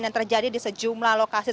yang terjadi di sejumlah lokasi